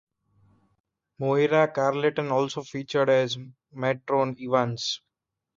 Moira Carleton also featured as Matron Evans.